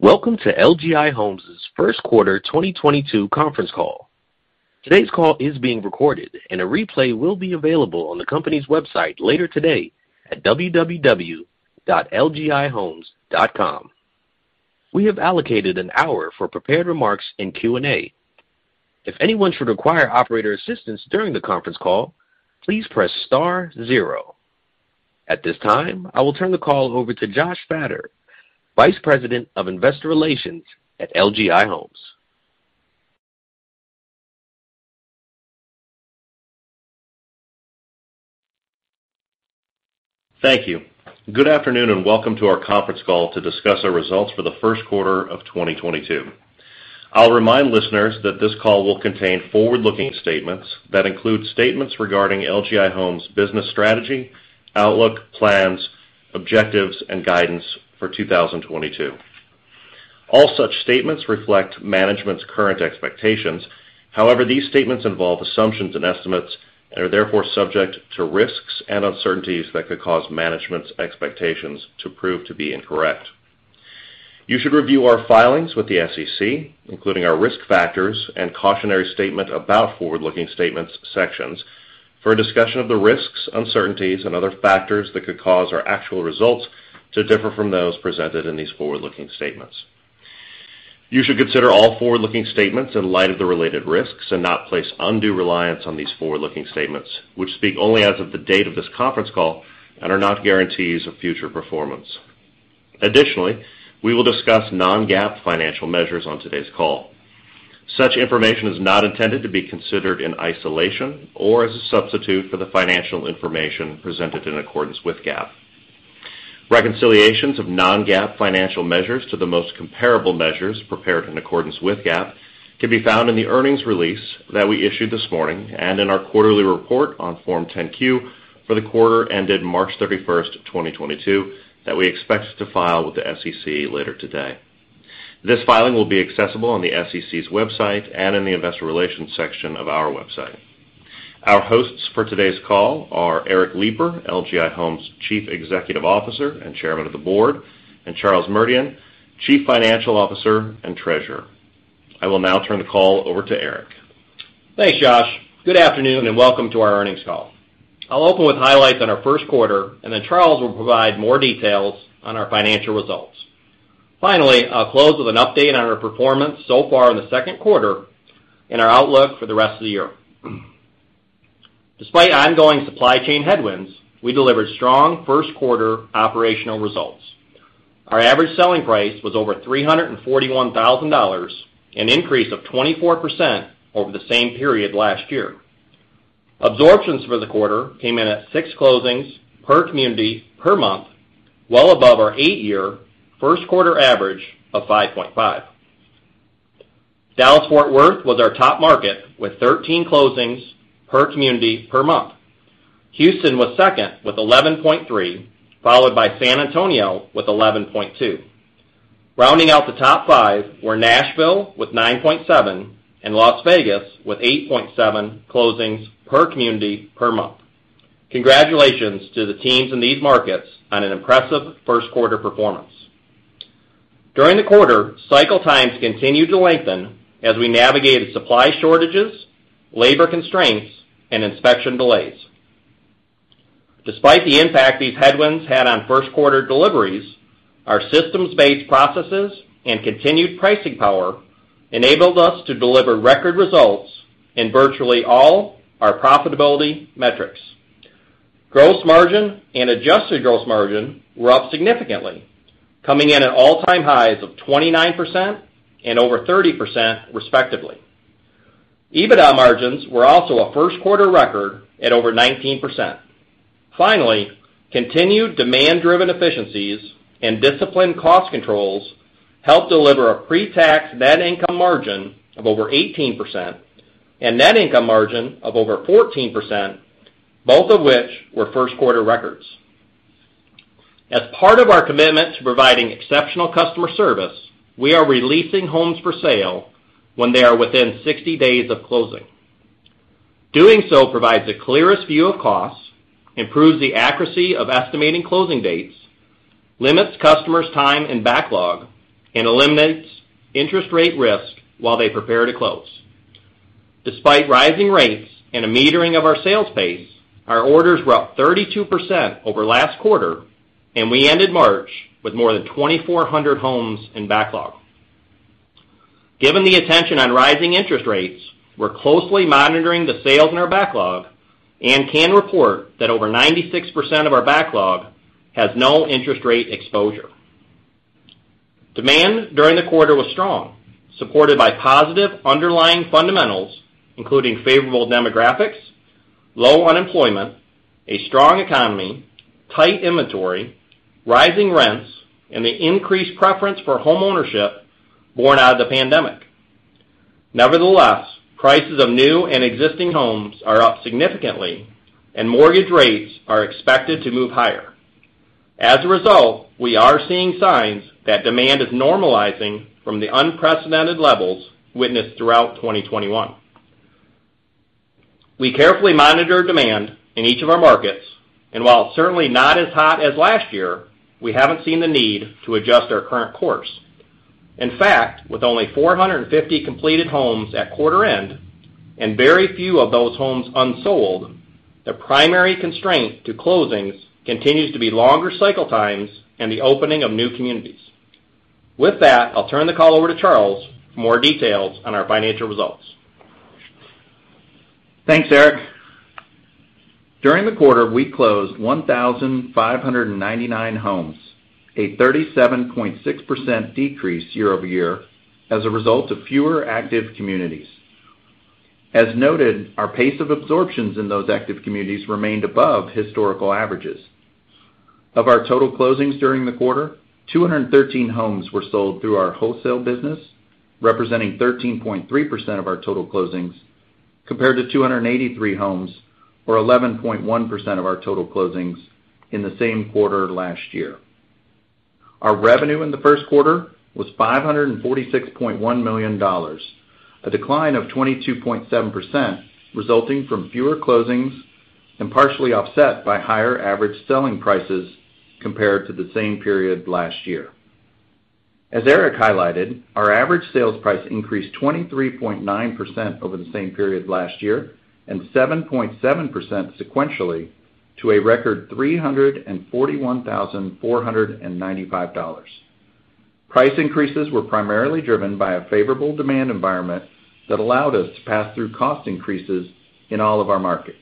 Welcome to LGI Homes' first quarter 2022 conference call. Today's call is being recorded, and a replay will be available on the company's website later today at www.lgihomes.com. We have allocated an hour for prepared remarks in Q&A. If anyone should require operator assistance during the conference call, please press star zero. At this time, I will turn the call over to Josh Fattor, Vice President of investor relations at LGI Homes. Thank you. Good afternoon, and welcome to our conference call to discuss our results for the first quarter of 2022. I'll remind listeners that this call will contain forward-looking statements that include statements regarding LGI Homes' business strategy, outlook, plans, objectives, and guidance for 2022. All such statements reflect management's current expectations. However, these statements involve assumptions and estimates and are therefore subject to risks and uncertainties that could cause management's expectations to prove to be incorrect. You should review our filings with the SEC, including our risk factors and cautionary statement about forward-looking statements sections for a discussion of the risks, uncertainties and other factors that could cause our actual results to differ from those presented in these forward-looking statements. You should consider all forward-looking statements in light of the related risks and not place undue reliance on these forward-looking statements, which speak only as of the date of this conference call and are not guarantees of future performance. Additionally, we will discuss non-GAAP financial measures on today's call. Such information is not intended to be considered in isolation or as a substitute for the financial information presented in accordance with GAAP. Reconciliations of non-GAAP financial measures to the most comparable measures prepared in accordance with GAAP can be found in the earnings release that we issued this morning and in our quarterly report on Form 10-Q for the quarter ended March 31, 2022, that we expect to file with the SEC later today. This filing will be accessible on the SEC's website and in the investor relations section of our website. Our hosts for today's call are Eric Lipar, LGI Homes' Chief Executive Officer and Chairman of the Board, and Charles Merdian, Chief Financial Officer and Treasurer. I will now turn the call over to Eric. Thanks, Josh. Good afternoon, and welcome to our earnings call. I'll open with highlights on our first quarter, and then Charles will provide more details on our financial results. Finally, I'll close with an update on our performance so far in the second quarter and our outlook for the rest of the year. Despite ongoing supply chain headwinds, we delivered strong first quarter operational results. Our average selling price was over $341,000, an increase of 24% over the same period last year. Absorptions for the quarter came in at six closings per community per month, well above our eight-year first quarter average of 5.5. Dallas-Fort Worth was our top market with 13 closings per community per month. Houston was second with 11.3, followed by San Antonio with 11.2. Rounding out the top five were Nashville with 9.7 and Las Vegas with 8.7 closings per community per month. Congratulations to the teams in these markets on an impressive first quarter performance. During the quarter, cycle times continued to lengthen as we navigated supply shortages, labor constraints, and inspection delays. Despite the impact these headwinds had on first quarter deliveries, our systems-based processes and continued pricing power enabled us to deliver record results in virtually all our profitability metrics. Gross margin and adjusted gross margin were up significantly, coming in at all-time highs of 29% and over 30%, respectively. EBITDA margins were also a first quarter record at over 19%. Finally, continued demand-driven efficiencies and disciplined cost controls helped deliver a pre-tax net income margin of over 18% and net income margin of over 14%, both of which were first quarter records. As part of our commitment to providing exceptional customer service, we are releasing homes for sale when they are within 60 days of closing. Doing so provides the clearest view of costs, improves the accuracy of estimating closing dates, limits customers' time and backlog, and eliminates interest rate risk while they prepare to close. Despite rising rates and a metering of our sales base, our orders were up 32% over last quarter, and we ended March with more than 2,400 homes in backlog. Given the attention on rising interest rates, we're closely monitoring the sales in our backlog and can report that over 96% of our backlog has no interest rate exposure. Demand during the quarter was strong, supported by positive underlying fundamentals, including favorable demographics, low unemployment, a strong economy, tight inventory, rising rents, and the increased preference for homeownership born out of the pandemic. Nevertheless, prices of new and existing homes are up significantly, and mortgage rates are expected to move higher. As a result, we are seeing signs that demand is normalizing from the unprecedented levels witnessed throughout 2021. We carefully monitor demand in each of our markets, and while certainly not as hot as last year, we haven't seen the need to adjust our current course. In fact, with only 450 completed homes at quarter end and very few of those homes unsold, the primary constraint to closings continues to be longer cycle times and the opening of new communities. With that, I'll turn the call over to Charles for more details on our financial results. Thanks, Eric. During the quarter, we closed 1,599 homes, a 37.6% decrease year-over-year as a result of fewer active communities. As noted, our pace of absorptions in those active communities remained above historical averages. Of our total closings during the quarter, 213 homes were sold through our wholesale business, representing 13.3% of our total closings, compared to 283 homes or 11.1% of our total closings in the same quarter last year. Our revenue in the first quarter was $546.1 million, a decline of 22.7% resulting from fewer closings and partially offset by higher average selling prices compared to the same period last year. As Eric highlighted, our average sales price increased 23.9% over the same period last year and 7.7% sequentially to a record $341,495. Price increases were primarily driven by a favorable demand environment that allowed us to pass through cost increases in all of our markets.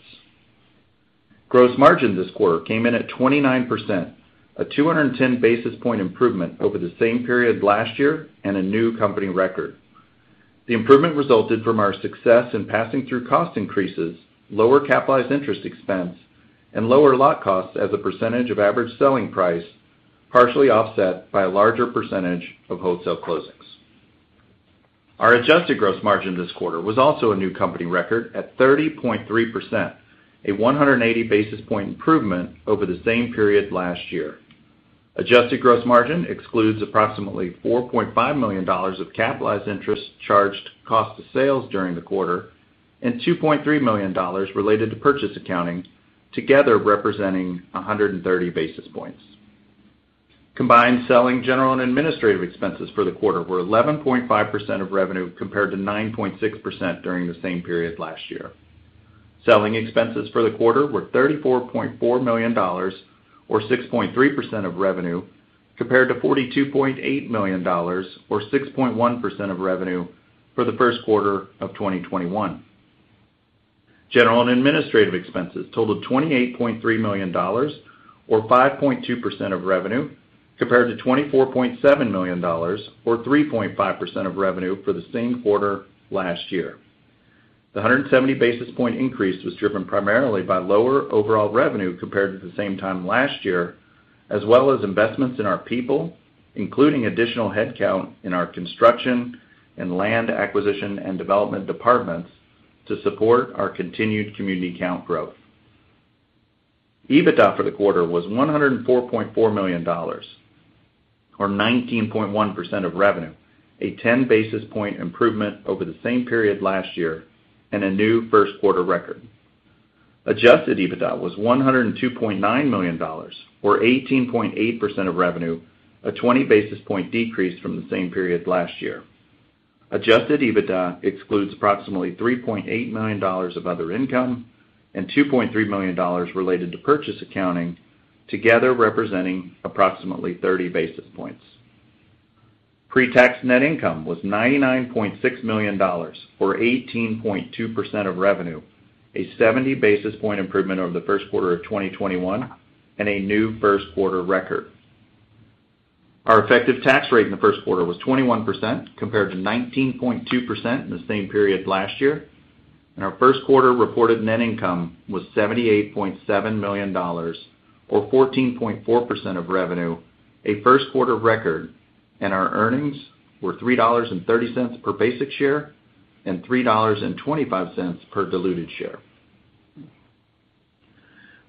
Gross margin this quarter came in at 29%, a 210 basis point improvement over the same period last year and a new company record. The improvement resulted from our success in passing through cost increases, lower capitalized interest expense, and lower lot costs as a percentage of average selling price, partially offset by a larger percentage of wholesale closings. Our adjusted gross margin this quarter was also a new company record at 30.3%, a 180 basis point improvement over the same period last year. Adjusted gross margin excludes approximately $4.5 million of capitalized interest charged to cost of sales during the quarter and $2.3 million related to purchase accounting, together representing 130 basis points. Combined selling general and administrative expenses for the quarter were 11.5% of revenue compared to 9.6% during the same period last year. Selling expenses for the quarter were $34.4 million or 6.3% of revenue, compared to $42.8 million or 6.1% of revenue for the first quarter of 2021. General and administrative expenses totaled $28.3 million or 5.2% of revenue, compared to $24.7 million or 3.5% of revenue for the same quarter last year. The 170 basis point increase was driven primarily by lower overall revenue compared to the same time last year, as well as investments in our people, including additional headcount in our construction and land acquisition and development departments to support our continued community count growth. EBITDA for the quarter was $104.4 million or 19.1% of revenue, a 10 basis point improvement over the same period last year and a new first quarter record. Adjusted EBITDA was $102.9 million or 18.8% of revenue, a 20 basis point decrease from the same period last year. Adjusted EBITDA excludes approximately $3.8 million of other income and $2.3 million related to purchase accounting, together representing approximately 30 basis points. Pre-tax net income was $99.6 million, or 18.2% of revenue, a 70 basis point improvement over the first quarter of 2021 and a new first quarter record. Our effective tax rate in the first quarter was 21%, compared to 19.2% in the same period last year, and our first quarter reported net income was $78.7 million or 14.4% of revenue, a first quarter record, and our earnings were $3.30 per basic share and $3.25 per diluted share.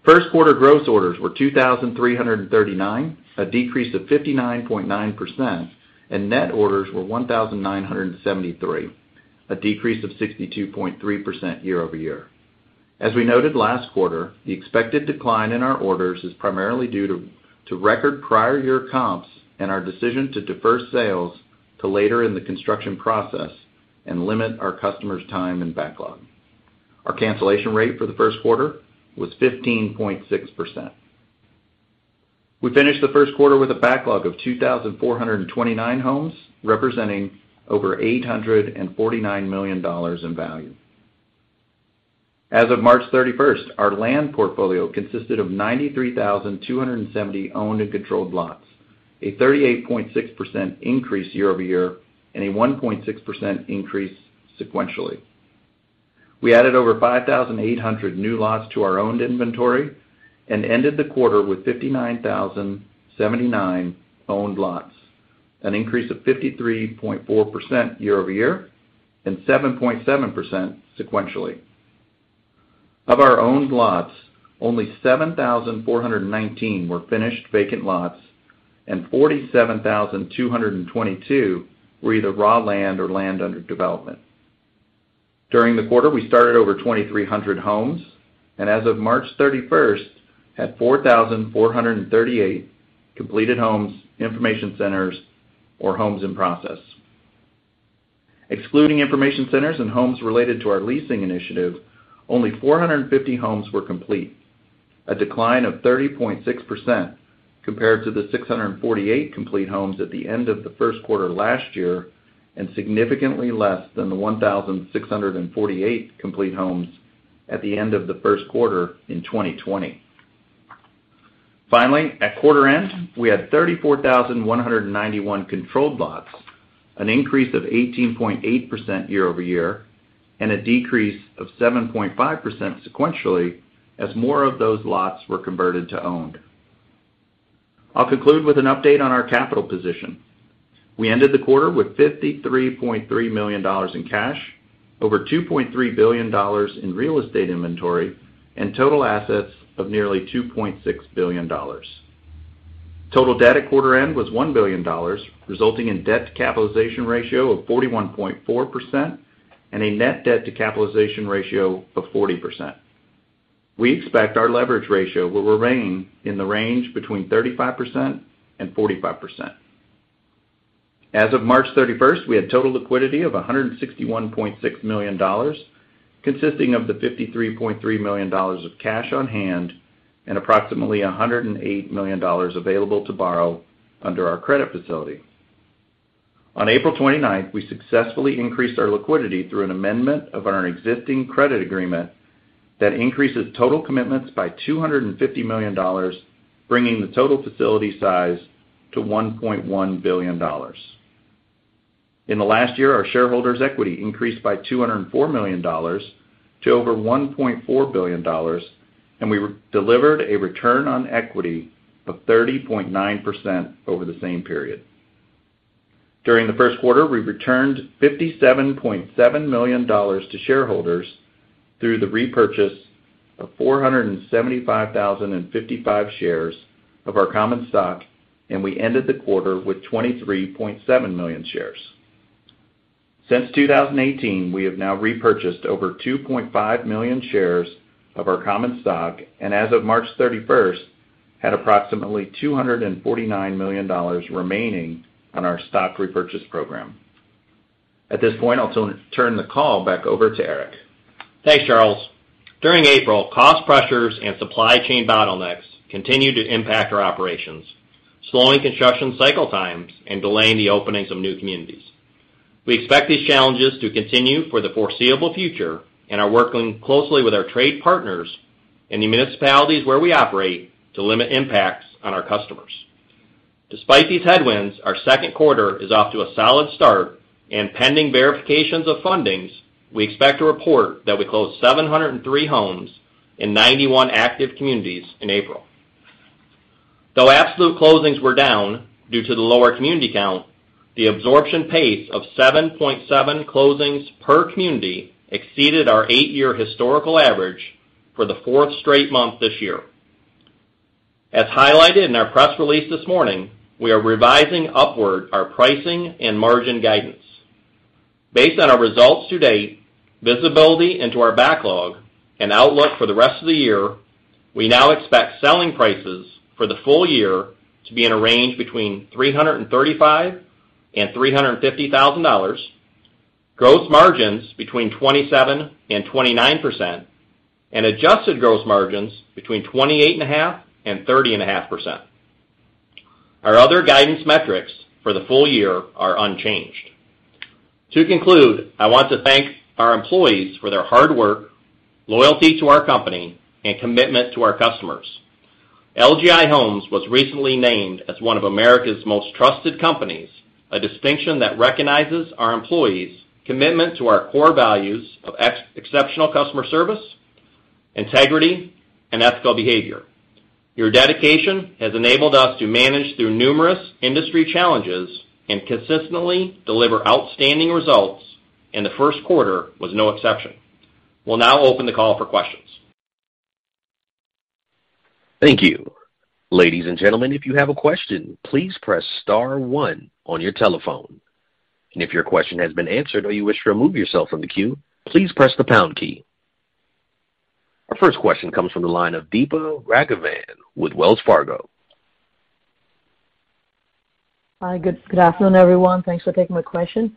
First quarter gross orders were 2,339, a decrease of 59.9%, and net orders were 1,973, a decrease of 62.3% year over year. As we noted last quarter, the expected decline in our orders is primarily due to record prior year comps and our decision to defer sales to later in the construction process and limit our customers' time and backlog. Our cancellation rate for the first quarter was 15.6%. We finished the first quarter with a backlog of 2,429 homes, representing over $849 million in value. As of March 31, our land portfolio consisted of 93,270 owned and controlled lots, a 38.6% increase year-over-year and a 1.6% increase sequentially. We added over 5,800 new lots to our owned inventory and ended the quarter with 59,079 owned lots, an increase of 53.4% year-over-year and 7.7% sequentially. Of our owned lots, only 7,419 were finished vacant lots. 47,222 were either raw land or land under development. During the quarter, we started over 2,300 homes, and as of March 31, had 4,438 completed homes, information centers or homes in process. Excluding information centers and homes related to our leasing initiative, only 450 homes were complete, a decline of 30.6% compared to the 648 complete homes at the end of the first quarter last year, and significantly less than the 1,648 complete homes at the end of the first quarter in 2020. Finally, at quarter end, we had 34,191 controlled lots, an increase of 18.8% year-over-year, and a decrease of 7.5% sequentially as more of those lots were converted to owned. I'll conclude with an update on our capital position. We ended the quarter with $53.3 million in cash, over $2.3 billion in real estate inventory, and total assets of nearly $2.6 billion. Total debt at quarter end was $1 billion, resulting in debt to capitalization ratio of 41.4% and a net debt to capitalization ratio of 40%. We expect our leverage ratio will remain in the range between 35% and 45%. As of March 31, we had total liquidity of $161.6 million, consisting of the $53.3 million of cash on hand and approximately $108 million available to borrow under our credit facility. On April 29, we successfully increased our liquidity through an amendment of our existing credit agreement that increases total commitments by $250 million, bringing the total facility size to $1.1 billion. In the last year, our shareholders' equity increased by $204 million to over $1.4 billion, and we delivered a return on equity of 30.9% over the same period. During the first quarter, we returned $57.7 million to shareholders through the repurchase of 475,055 shares of our common stock, and we ended the quarter with 23.7 million shares. Since 2018, we have now repurchased over 2.5 million shares of our common stock, and as of March 31, had approximately $249 million remaining on our stock repurchase program. At this point, I'll turn the call back over to Eric. Thanks, Charles. During April, cost pressures and supply chain bottlenecks continued to impact our operations, slowing construction cycle times and delaying the openings of new communities. We expect these challenges to continue for the foreseeable future and are working closely with our trade partners in the municipalities where we operate to limit impacts on our customers. Despite these headwinds, our second quarter is off to a solid start, and pending verifications of fundings, we expect to report that we closed 703 homes in 91 active communities in April. Though absolute closings were down due to the lower community count, the absorption pace of 7.7 closings per community exceeded our eight-year historical average for the fourth straight month this year. As highlighted in our press release this morning, we are revising upward our pricing and margin guidance. Based on our results to date, visibility into our backlog and outlook for the rest of the year, we now expect selling prices for the full year to be in a range between $335,000 and $350,000, gross margins between 27% and 29%, and adjusted gross margins between 28.5% and 30.5%. Our other guidance metrics for the full year are unchanged. To conclude, I want to thank our employees for their hard work, loyalty to our company, and commitment to our customers. LGI Homes was recently named as one of America's most trusted companies, a distinction that recognizes our employees' commitment to our core values of exceptional customer service, integrity, and ethical behavior. Your dedication has enabled us to manage through numerous industry challenges and consistently deliver outstanding results, and the first quarter was no exception. We'll now open the call for questions. Thank you. Ladies and gentlemen, if you have a question, please press star one on your telephone. If your question has been answered or you wish to remove yourself from the queue, please press the pound key. Our first question comes from the line of Deepa Raghavan with Wells Fargo. Hi, good afternoon, everyone. Thanks for taking my question.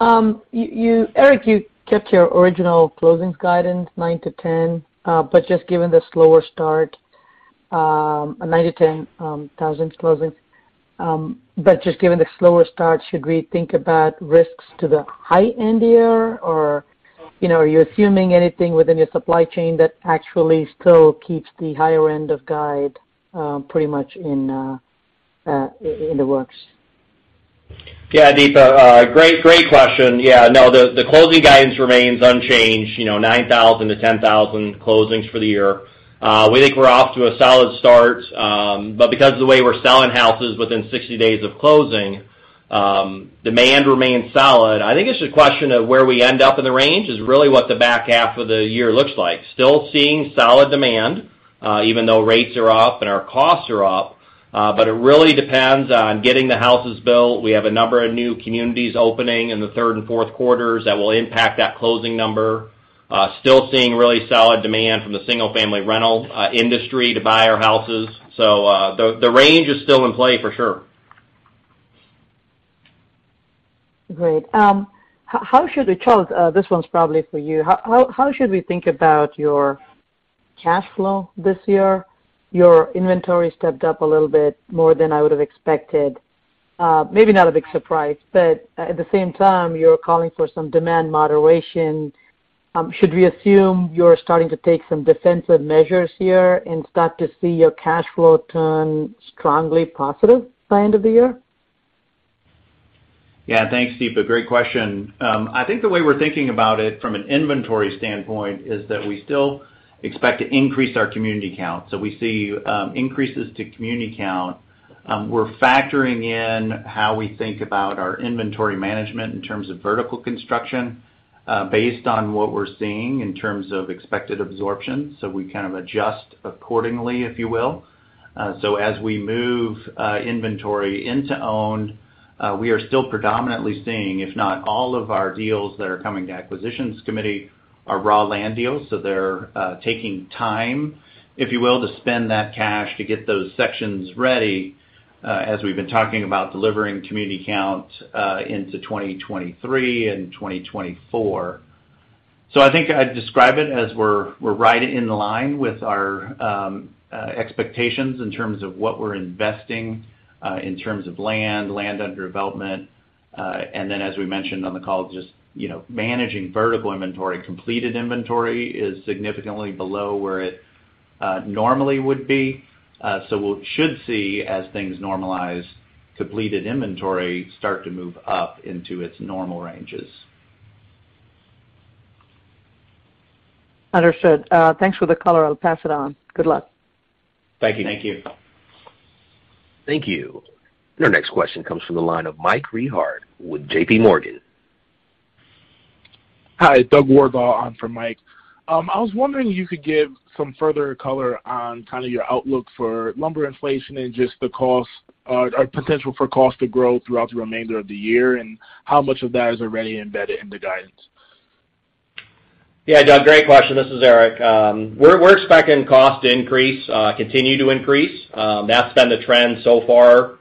Eric, you kept your original closings guidance, 9,000-10,000 but just given the slower start, a 9,000-10,000 closings. Should we think about risks to the high end here? Or, you know, are you assuming anything within your supply chain that actually still keeps the higher end of guide pretty much in the works? Yeah, Deepa, great question. Yeah, no, the closing guidance remains unchanged, you know, 9,000-10,000 closings for the year. We think we're off to a solid start, demand remains solid. I think it's a question of where we end up in the range is really what the back half of the year looks like. Still seeing solid demand, even though rates are up and our costs are up. It really depends on getting the houses built. We have a number of new communities opening in the third and fourth quarters that will impact that closing number. Still seeing really solid demand from the single-family rental industry to buy our houses. The range is still in play for sure. Great. Charles, this one's probably for you. How should we think about your cash flow this year? Your inventory stepped up a little bit more than I would have expected. Maybe not a big surprise, but at the same time, you're calling for some demand moderation. Should we assume you're starting to take some defensive measures here and start to see your cash flow turn strongly positive by end of the year? Yeah. Thanks, Deepa. Great question. I think the way we're thinking about it from an inventory standpoint is that we still expect to increase our community count. We see increases to community count. We're factoring in how we think about our inventory management in terms of vertical construction based on what we're seeing in terms of expected absorption. We kind of adjust accordingly, if you will. As we move inventory into owned, we are still predominantly seeing if not all of our deals that are coming to acquisitions committee are raw land deals, so they're taking time, if you will, to spend that cash to get those sections ready as we've been talking about delivering community count into 2023 and 2024. I think I'd describe it as we're right in line with our expectations in terms of what we're investing in terms of land under development. As we mentioned on the call, just you know managing vertical inventory. Completed inventory is significantly below where it normally would be. We should see as things normalize, completed inventory start to move up into its normal ranges. Understood. Thanks for the color. I'll pass it on. Good luck. Thank you. Thank you. Thank you. Your next question comes from the line of Michael Rehaut with JPMorgan. Hi, Doug Wardlaw on for Mike. I was wondering if you could give some further color on kind of your outlook for lumber inflation and just the cost or potential for cost to grow throughout the remainder of the year and how much of that is already embedded in the guidance. Yeah, Doug, great question. This is Eric. We're expecting costs to increase, continue to increase. That's been the trend so far,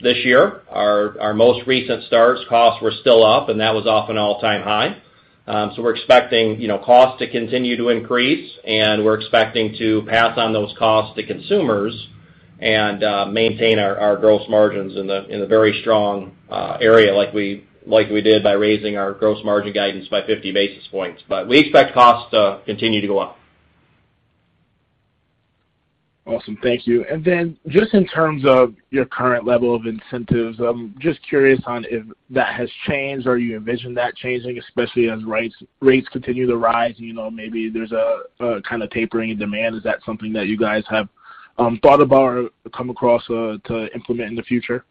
this year. Our most recent start costs were still up, and that was off an all-time high. So we're expecting, you know, costs to continue to increase, and we're expecting to pass on those costs to consumers and maintain our gross margins in a very strong area like we did by raising our gross margin guidance by 50 basis points. We expect costs to continue to go up. Awesome. Thank you. Then just in terms of your current level of incentives, I'm just curious on if that has changed or you envision that changing, especially as rates continue to rise and, you know, maybe there's a kind of tapering in demand. Is that something that you guys have thought about or come across to implement in the future?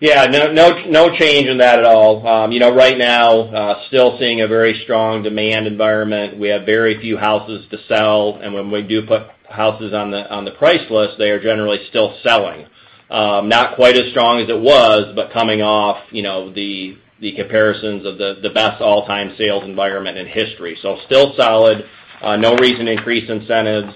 Yeah, no change in that at all. You know, right now, still seeing a very strong demand environment. We have very few houses to sell, and when we do put houses on the price list, they are generally still selling. Not quite as strong as it was, but coming off, you know, the comparisons of the best all-time sales environment in history. Still solid. No reason to increase incentives.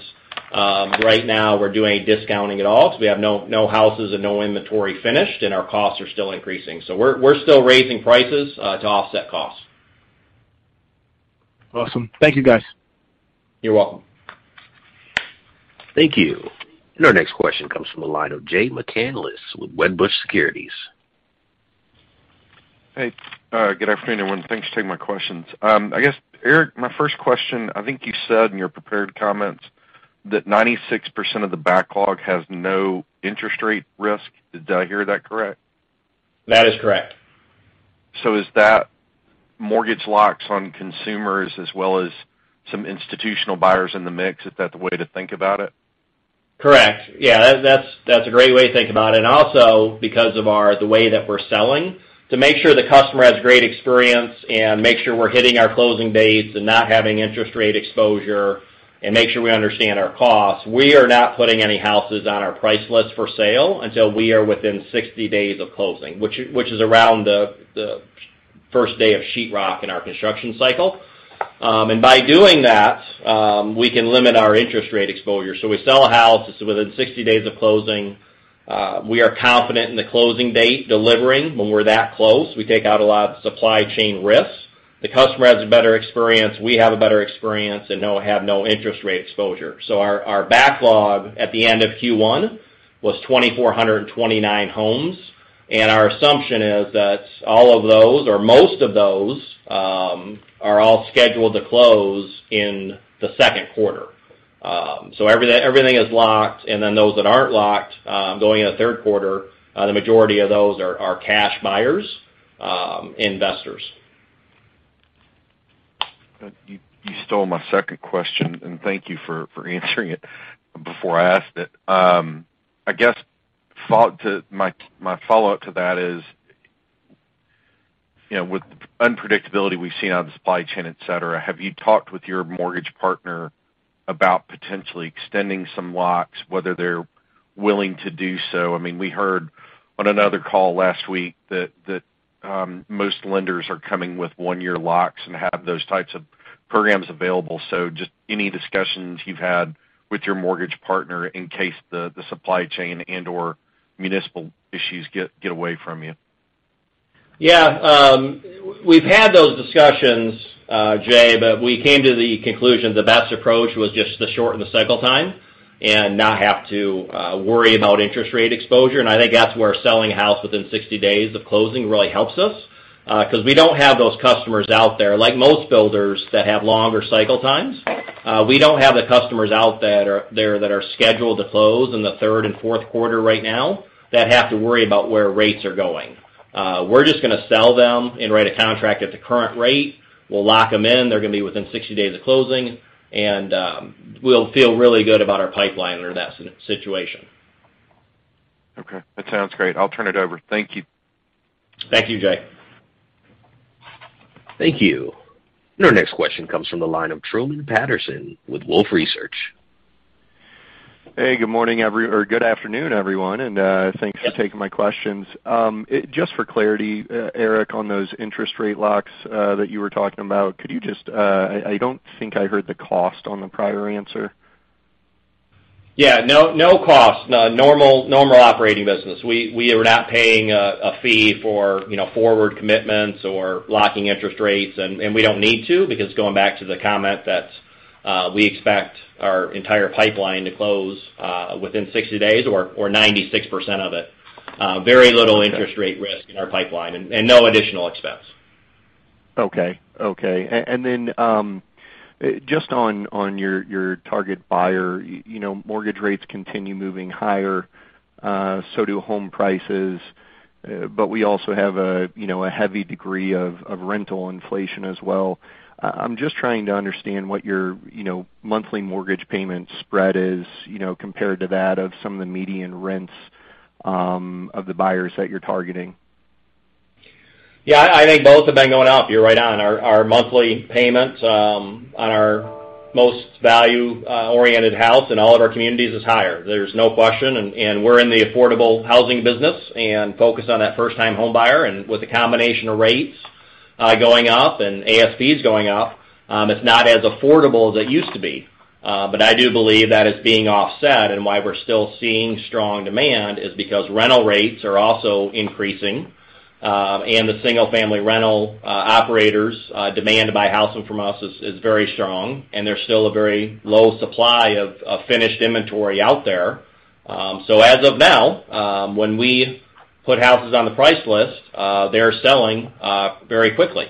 Right now, we're not doing discounting at all 'cause we have no houses and no finished inventory, and our costs are still increasing. We're still raising prices to offset costs. Awesome. Thank you, guys. You're welcome. Thank you. Our next question comes from the line of Jay McCanless with Wedbush Securities. Hey, good afternoon, everyone. Thanks for taking my questions. I guess, Eric, my first question, I think you said in your prepared comments that 96% of the backlog has no interest rate risk. Did I hear that correct? That is correct. Is that mortgage locks on consumers as well as some institutional buyers in the mix? Is that the way to think about it? Correct. Yeah. That's a great way to think about it. Also because of our the way that we're selling, to make sure the customer has great experience and make sure we're hitting our closing dates and not having interest rate exposure and make sure we understand our costs, we are not putting any houses on our price list for sale until we are within 60 days of closing, which is around the first day of sheetrock in our construction cycle. By doing that, we can limit our interest rate exposure. We sell a house within 60 days of closing. We are confident in the closing date delivering when we're that close. We take out a lot of supply chain risks. The customer has a better experience, we have a better experience, and have no interest rate exposure. Our backlog at the end of Q1 was 2,429 homes, and our assumption is that all of those or most of those are all scheduled to close in the second quarter. Everything is locked, and then those that aren't locked, going into third quarter, the majority of those are cash buyers, investors. You stole my second question, and thank you for answering it before I asked it. I guess my follow-up to that is, you know, with the unpredictability we've seen on the supply chain, et cetera, have you talked with your mortgage partner about potentially extending some locks, whether they're willing to do so? I mean, we heard on another call last week that most lenders are coming with one-year locks and have those types of programs available. Just any discussions you've had with your mortgage partner in case the supply chain and/or municipal issues get away from you. Yeah. We've had those discussions, Jay, but we came to the conclusion the best approach was just to shorten the cycle time and not have to worry about interest rate exposure. I think that's where selling a house within 60 days of closing really helps us, 'cause we don't have those customers out there, like most builders that have longer cycle times. We don't have the customers out that are there that are scheduled to close in the third and fourth quarter right now that have to worry about where rates are going. We're just gonna sell them and write a contract at the current rate. We'll lock them in. They're gonna be within 60 days of closing, and we'll feel really good about our pipeline under that situation. Okay, that sounds great. I'll turn it over. Thank you. Thank you, Jay. Thank you. Our next question comes from the line of Truman Patterson with Wolfe Research. Hey, good morning or good afternoon, everyone, and thanks for taking my questions. Just for clarity, Eric, on those interest rate locks that you were talking about, could you just I don't think I heard the cost on the prior answer. Yeah, no cost. Normal operating business. We are not paying a fee for, you know, forward commitments or locking interest rates, and we don't need to because going back to the comment that we expect our entire pipeline to close within 60 days or 96% of it. Very little interest rate risk in our pipeline and no additional expense. Okay. Then just on your target buyer, you know, mortgage rates continue moving higher, so do home prices, but we also have you know a heavy degree of rental inflation as well. I'm just trying to understand what your you know monthly mortgage payment spread is, you know, compared to that of some of the median rents of the buyers that you're targeting. Yeah, I think both have been going up. You're right on. Our monthly payment on our most value-oriented house and all of our communities is higher. There's no question, and we're in the affordable housing business and focused on that first-time home buyer. With the combination of rates going up and ASPs going up, it's not as affordable as it used to be. I do believe that is being offset, and why we're still seeing strong demand is because rental rates are also increasing, and the single-family rental operators demand to buy a house from us is very strong, and there's still a very low supply of finished inventory out there. As of now, when we put houses on the price list, they're selling very quickly.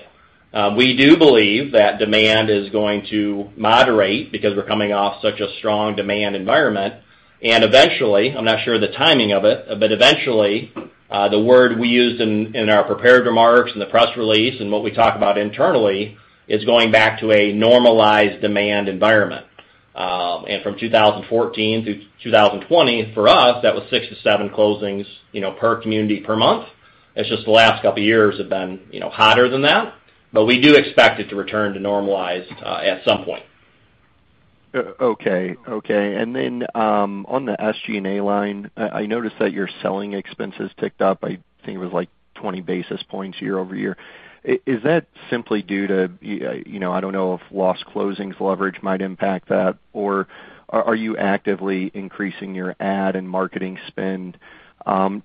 We do believe that demand is going to moderate because we're coming off such a strong demand environment. Eventually, I'm not sure the timing of it, but eventually, the word we used in our prepared remarks and the press release and what we talk about internally is going back to a normalized demand environment. From 2014 through 2020, for us, that was 6-7 closings, you know, per community per month. It's just the last couple of years have been, you know, hotter than that. We do expect it to return to normalized at some point. Okay. Then, on the SG&A line, I noticed that your selling expenses ticked up. I think it was, like, 20 basis points year-over-year. Is that simply due to, you know, I don't know if lost closings leverage might impact that, or are you actively increasing your ad and marketing spend?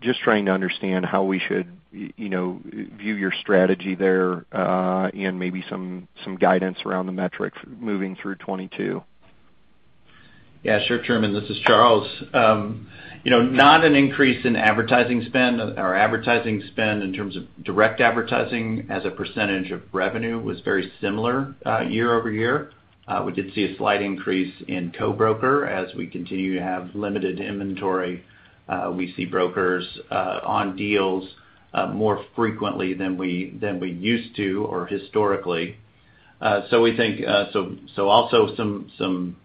Just trying to understand how we should, you know, view your strategy there, and maybe some guidance around the metrics moving through 2022. Yeah, sure, Truman. This is Charles. You know, not an increase in advertising spend. Our advertising spend in terms of direct advertising as a percentage of revenue was very similar year-over-year. We did see a slight increase in co-broker. As we continue to have limited inventory, we see brokers on deals more frequently than we used to or historically. So we think, so also some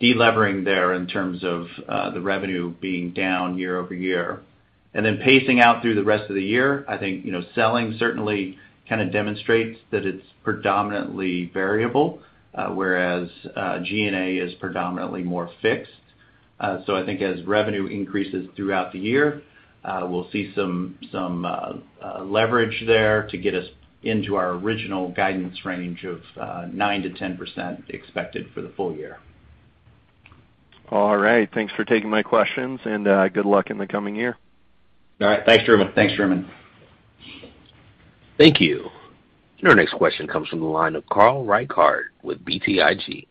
de-levering there in terms of the revenue being down year-over-year. Pacing out through the rest of the year, I think, you know, selling certainly kind of demonstrates that it's predominantly variable, whereas G&A is predominantly more fixed. I think as revenue increases throughout the year, we'll see some leverage there to get us into our original guidance range of 9%-10% expected for the full year. All right. Thanks for taking my questions, and good luck in the coming year. All right. Thanks, Truman. Thanks, Truman. Thank you. Our next question comes from the line of Carl Reichardt with BTIG.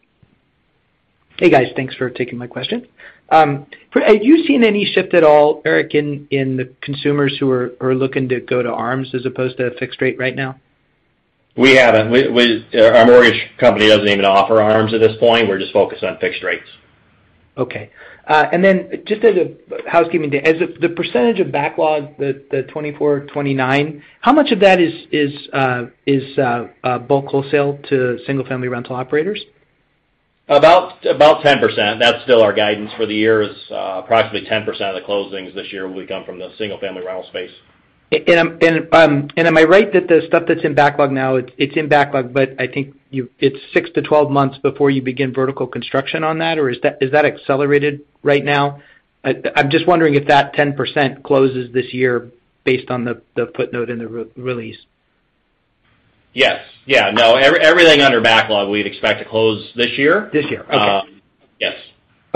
Hey, guys. Thanks for taking my question. Have you seen any shift at all, Eric, in the consumers who are looking to go to ARMs as opposed to fixed rate right now? We haven't. Our mortgage company doesn't even offer ARMs at this point. We're just focused on fixed rates. Okay. Just as a housekeeping thing, the percentage of backlog, the 24-29, how much of that is bulk wholesale to single-family rental operators? About 10%. That's still our guidance for the year is, approximately 10% of the closings this year will come from the single-family rental space. Am I right that the stuff that's in backlog now, it's in backlog, but I think it's 6-12 months before you begin vertical construction on that? Or is that accelerated right now? I'm just wondering if that 10% closes this year based on the footnote in the release. Yes. Yeah. No, everything under backlog we'd expect to close this year. This year, okay.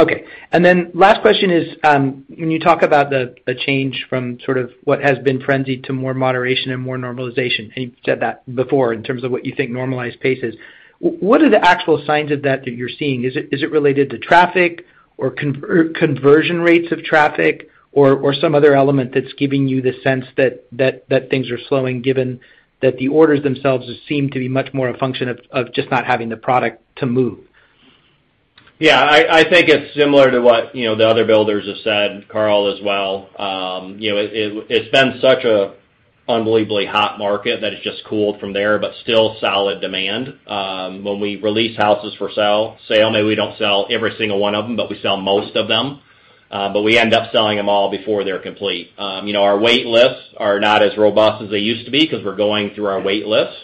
Yes. Okay. Last question is, when you talk about the change from sort of what has been frenzied to more moderation and more normalization, and you've said that before in terms of what you think normalized pace is, what are the actual signs of that that you're seeing? Is it related to traffic or conversion rates of traffic or some other element that's giving you the sense that things are slowing, given that the orders themselves just seem to be much more a function of just not having the product to move? Yeah, I think it's similar to what you know the other builders have said, Carl as well. You know, it's been such a unbelievably hot market that it's just cooled from there, but still solid demand. When we release houses for sale, maybe we don't sell every single one of them, but we sell most of them. We end up selling them all before they're complete. You know, our wait lists are not as robust as they used to be because we're going through our wait lists.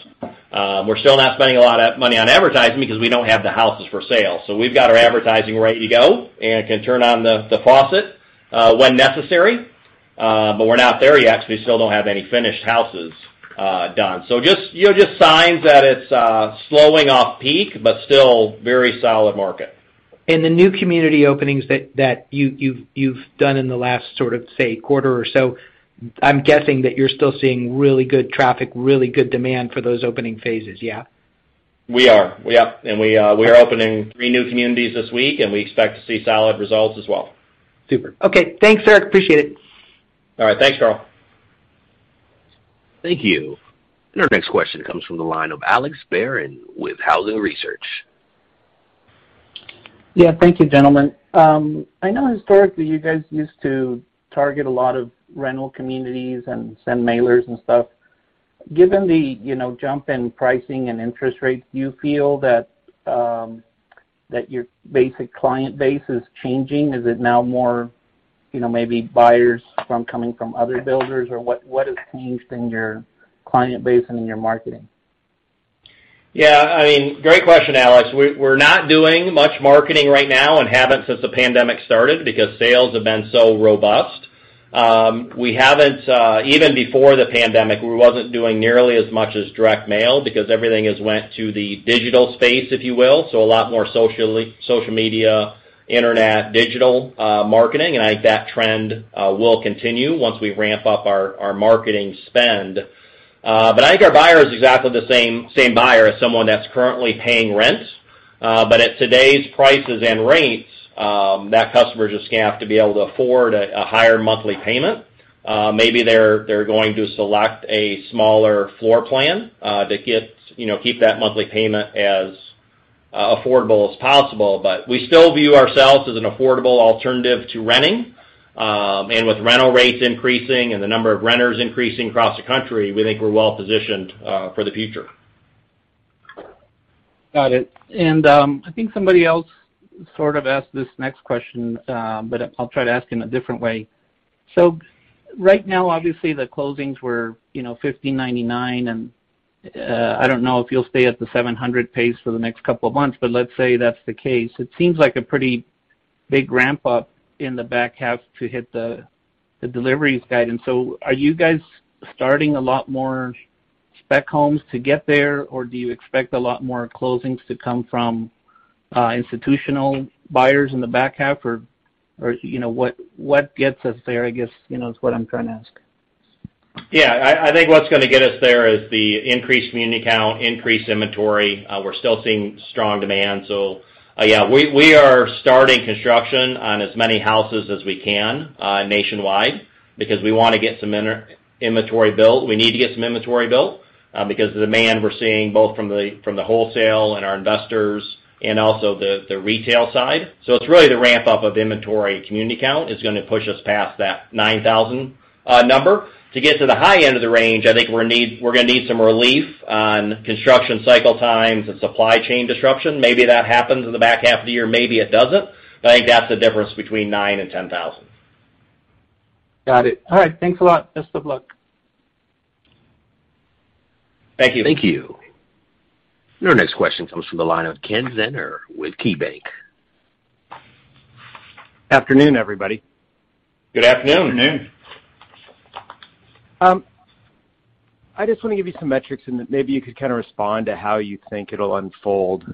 We're still not spending a lot of money on advertising because we don't have the houses for sale. We've got our advertising ready to go and can turn on the faucet when necessary. We're not there yet because we still don't have any finished houses done. Just, you know, signs that it's slowing off peak, but still very solid market. In the new community openings that you've done in the last sort of, say, quarter or so, I'm guessing that you're still seeing really good traffic, really good demand for those opening phases, yeah? We are. Yeah. We are opening three new communities this week, and we expect to see solid results as well. Super. Okay, thanks, Eric. Appreciate it. All right. Thanks, Carl. Thank you. Our next question comes from the line of Alex Barron with Wolfe Research. Yeah. Thank you, gentlemen. I know historically you guys used to target a lot of rental communities and send mailers and stuff. Given the, you know, jump in pricing and interest rates, do you feel that that your basic client base is changing? Is it now more, you know, maybe buyers from, coming from other builders? Or what has changed in your client base and in your marketing? Yeah. I mean, great question, Alex. We're not doing much marketing right now and haven't since the pandemic started because sales have been so robust. We haven't even before the pandemic, we wasn't doing nearly as much as direct mail because everything has went to the digital space, if you will. A lot more social media, internet, digital marketing, and I think that trend will continue once we ramp up our marketing spend. I think our buyer is exactly the same buyer as someone that's currently paying rent. At today's prices and rates, that customer is just gonna have to be able to afford a higher monthly payment. Maybe they're going to select a smaller floor plan to get, you know, keep that monthly payment as affordable as possible. We still view ourselves as an affordable alternative to renting. With rental rates increasing and the number of renters increasing across the country, we think we're well positioned for the future. Got it. I think somebody else sort of asked this next question, but I'll try to ask in a different way. Right now, obviously the closings were, you know, 1,599 and, I don't know if you'll stay at the 700 pace for the next couple of months, but let's say that's the case. It seems like a pretty big ramp up in the back half to hit the deliveries guidance. Are you guys starting a lot more spec homes to get there, or do you expect a lot more closings to come from institutional buyers in the back half? Or, you know, what gets us there, I guess, you know, is what I'm trying to ask. Yeah. I think what's gonna get us there is the increased community count, increased inventory. We're still seeing strong demand. Yeah, we are starting construction on as many houses as we can, nationwide because we wanna get some inventory built. We need to get some inventory built, because the demand we're seeing both from the wholesale and our investors and also the retail side. It's really the ramp up of inventory, community count is gonna push us past that 9,000 number. To get to the high end of the range, I think we're gonna need some relief on construction cycle times and supply chain disruption. Maybe that happens in the back half of the year, maybe it doesn't. I think that's the difference between 9,000 and 10,000. Got it. All right. Thanks a lot. Best of luck. Thank you. Thank you. Your next question comes from the line of Kenneth Zener with KeyBanc Capital Markets. Afternoon, everybody. Good afternoon. Afternoon. I just want to give you some metrics and maybe you could kind of respond to how you think it'll unfold.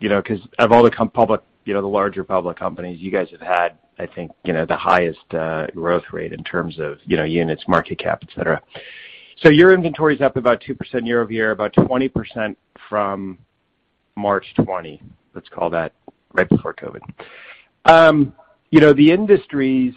You know, 'cause of all the larger public companies, you guys have had, I think, you know, the highest growth rate in terms of, you know, units, market cap, et cetera. Your inventory is up about 2% year-over-year, about 20% from March 2020, let's call that right before COVID. You know, the industry's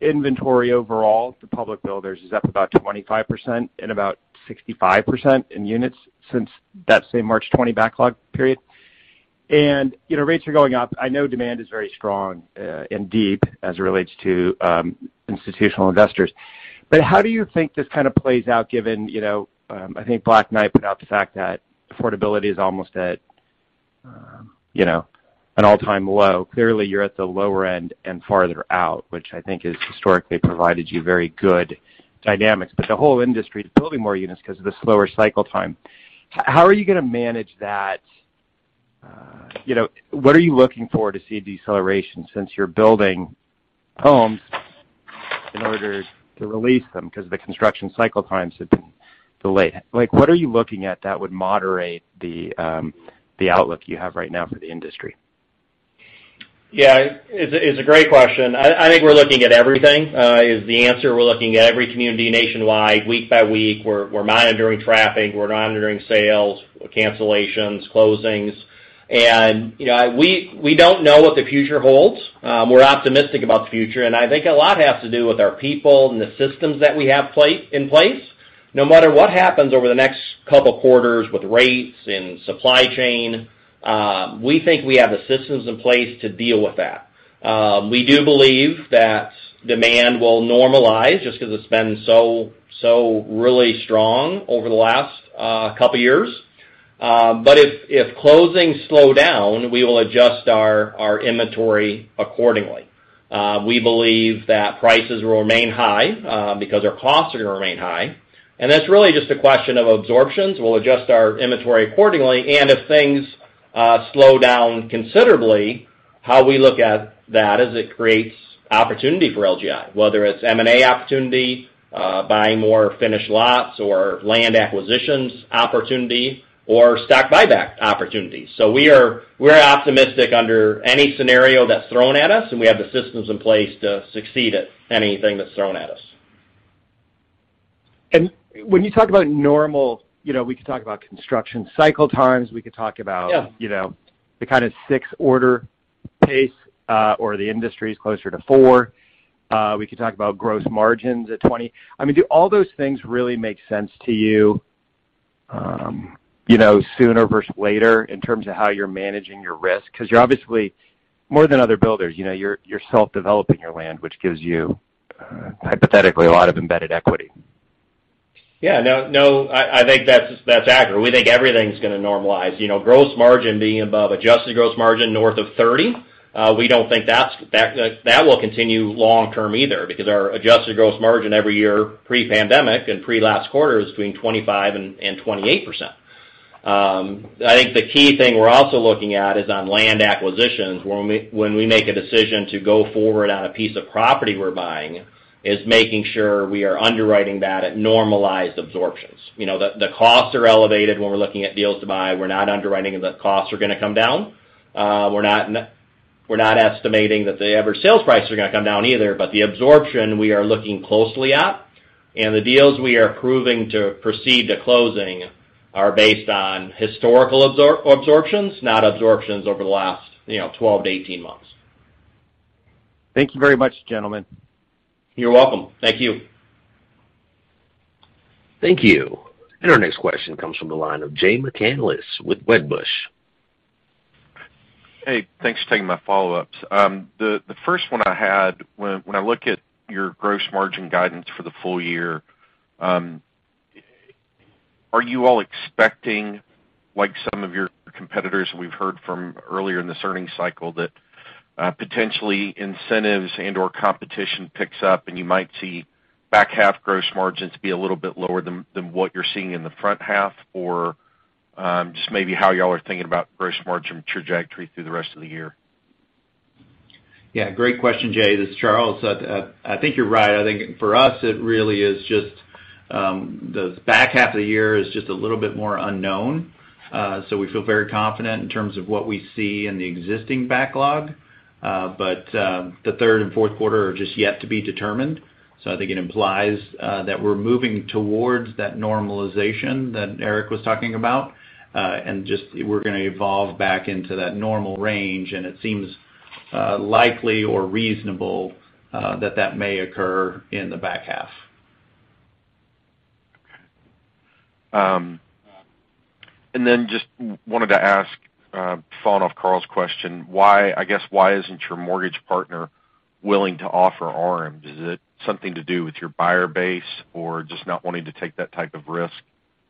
Inventory overall, the public builders is up about 25% and about 65% in units since that same March 2020 backlog period. You know, rates are going up. I know demand is very strong and deep as it relates to institutional investors. How do you think this kind of plays out given, you know, I think Black Knight put out the fact that affordability is almost at an all-time low. Clearly, you're at the lower end and farther out, which I think has historically provided you very good dynamics. The whole industry is building more units 'cause of the slower cycle time. How are you gonna manage that? You know, what are you looking for to see a deceleration since you're building homes in order to release them 'cause the construction cycle times have been delayed? Like, what are you looking at that would moderate the outlook you have right now for the industry? It's a great question. I think we're looking at everything is the answer. We're looking at every community nationwide week by week. We're monitoring traffic, we're monitoring sales, cancellations, closings. You know, we don't know what the future holds. We're optimistic about the future, and I think a lot has to do with our people and the systems that we have in place. No matter what happens over the next couple quarters with rates and supply chain, we think we have the systems in place to deal with that. We do believe that demand will normalize just 'cause it's been so really strong over the last couple years. But if closings slow down, we will adjust our inventory accordingly. We believe that prices will remain high, because our costs are gonna remain high. That's really just a question of absorptions. We'll adjust our inventory accordingly. If things slow down considerably, how we look at that is it creates opportunity for LGI, whether it's M&A opportunity, buying more finished lots or land acquisitions opportunity or stock buyback opportunities. We're optimistic under any scenario that's thrown at us, and we have the systems in place to succeed at anything that's thrown at us. When you talk about normal, you know, we could talk about construction cycle times, we could talk about. Yeah You know, the kind of 6 order pace, or the industry's closer to 4. We could talk about gross margins at 20%. I mean, do all those things really make sense to you, sooner versus later in terms of how you're managing your risk? 'Cause you're obviously, more than other builders, you know, you're self-developing your land, which gives you, hypothetically, a lot of embedded equity. Yeah. No, I think that's accurate. We think everything's gonna normalize. You know, gross margin being above, adjusted gross margin north of 30%, we don't think that will continue long term either because our adjusted gross margin every year pre-pandemic and pre-last quarter is between 25% and 28%. I think the key thing we're also looking at is on land acquisitions, when we make a decision to go forward on a piece of property we're buying, is making sure we are underwriting that at normalized absorptions. You know, the costs are elevated when we're looking at deals to buy. We're not underwriting if the costs are gonna come down. We're not estimating that the average sales prices are gonna come down either, but the absorption we are looking closely at. The deals we are approving to proceed to closing are based on historical absorptions, not absorptions over the last, you know, 12-18 months. Thank you very much, gentlemen. You're welcome. Thank you. Thank you. Our next question comes from the line of Jay McCanless with Wedbush. Hey, thanks for taking my follow-ups. The first one I had, when I look at your gross margin guidance for the full year, are you all expecting, like some of your competitors we've heard from earlier in this earnings cycle, that potentially incentives and/or competition picks up and you might see back half gross margins be a little bit lower than what you're seeing in the front half? Or, just maybe how y'all are thinking about gross margin trajectory through the rest of the year. Yeah, great question, Jay. This is Charles. I think you're right. I think for us, it really is just the back half of the year is just a little bit more unknown. We feel very confident in terms of what we see in the existing backlog. The third and fourth quarter are just yet to be determined. I think it implies that we're moving towards that normalization that Eric was talking about. We're gonna evolve back into that normal range, and it seems likely or reasonable that that may occur in the back half. Just wanted to ask, following up on Carl's question, why, I guess, isn't your mortgage partner willing to offer ARMs? Is it something to do with your buyer base or just not wanting to take that type of risk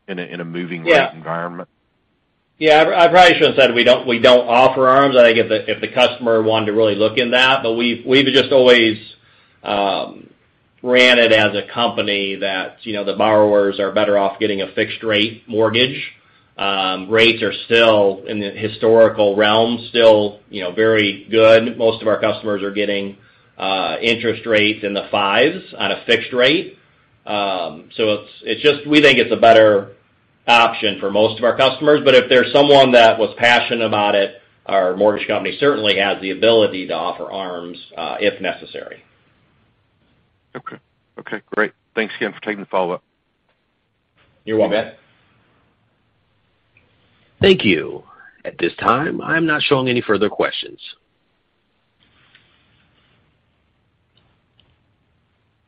in a moving rate environment? Yeah. I probably should've said we don't offer ARMs. I think if the customer wanted to really look into that. We've just always ran it as a company that, you know, the borrowers are better off getting a fixed rate mortgage. Rates are still in the historical realm, still, you know, very good. Most of our customers are getting interest rates in the fives on a fixed rate. It's just we think it's a better option for most of our customers, but if there's someone that was passionate about it, our mortgage company certainly has the ability to offer ARMs, if necessary. Okay. Okay, great. Thanks again for taking the follow-up. You're welcome. Thank you. At this time, I'm not showing any further questions.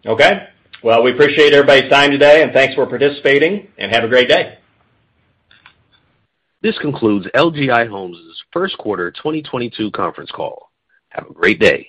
Okay. Well, we appreciate everybody's time today, and thanks for participating, and have a great day. This concludes LGI Homes' first quarter 2022 conference call. Have a great day.